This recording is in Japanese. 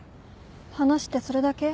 話ってそれだけ？